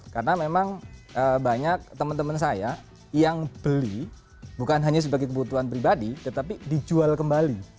karena memang banyak temen temen saya yang beli bukan hanya sebagai kebutuhan pribadi tetapi dijual kembali